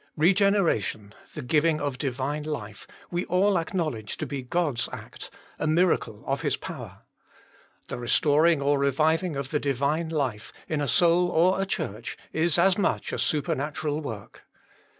Regenera tion, the giving of Divine life, we all acknowledge to be God s act, a miracle of His power. The restoring or reviving of the Divine life, in a soul or a Church, is as much a supernatural work.